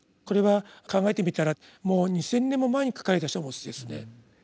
これは考えてみたらもう２，０００年も前に書かれた書物ですね。